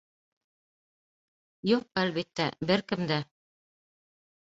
Юҡ, әлбиттә, бер кем дә!..